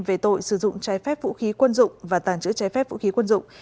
về tội sử dụng trái phép vũ khí quân dụng và tàng trữ trái phép vũ khí quân dụng